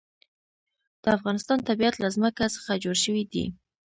د افغانستان طبیعت له ځمکه څخه جوړ شوی دی.